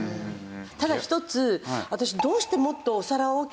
ただ一つ私。